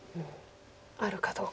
あるかどうか。